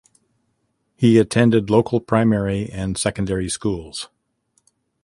He attended local primary and secondary schools.